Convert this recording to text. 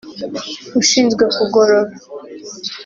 ushinzwe kugorora